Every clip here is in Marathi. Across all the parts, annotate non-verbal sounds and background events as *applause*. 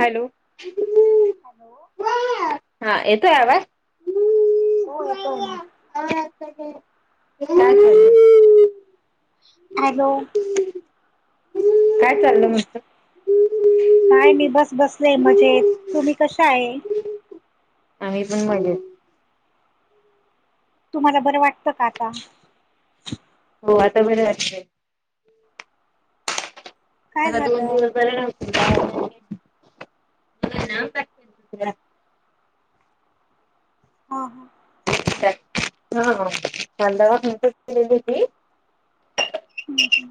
हॅलो. हॅलो. हा येतो आवाज? हो येतोय ना. ह *inaudible* हॅलो काय चाललं म्हटलं? काय मी बस- बसलेय मजेत, तुम्ही कशा आहे? आम्ही पण मजेत. तुम्हाला बरं वाटतं का आता? हो आता बरं वाटतय. काय मला दोन झालं दिवस बर नव्हतं ना त्यामुळे हां हां.. हा म्हण केलेली ती *inaudible* हं हं....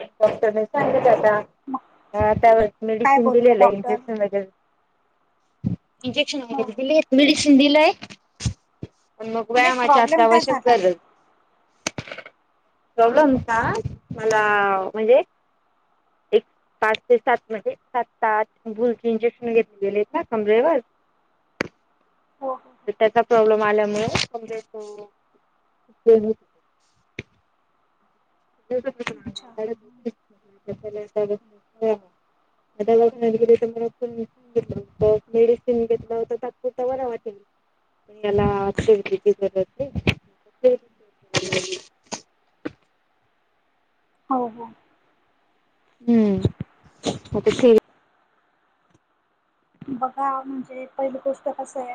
डॉक्टरांनी सांगितला आता हा त्यावर काय मेडिसिन बोलले दिलेलं, डॉक्टर इंजेक्शन वगैरे इंजेक्शन हो वगैरे दिलेय, मेडिसिन दिलाय. पण मग नाही व्यायामाची असते प्रॉब्लेम काय आवश्यक झाला गरज प्रॉब्लेम का मला म्हणजे एक पाच ते सात मध्येज सात, आठ, भुलचे इंजेक्शन घेतले गेले आहेत ना कमरेवर. *inaudible* हो हो तर हो त्याचा प्रॉब्लेम आल्यामुळे ते *unintelligible* अच्छा! ह.. घ आता बघ ग *unintelligible* मेडिसिन घेतलं होत तात्पुरत बर वाटेल. ेलाला *unintelligible* हो हो.. हम्म, म ते बघा म्हणजे, पहिली गोष्ट कस आहे?